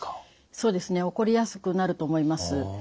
そうですね起こりやすくなると思います。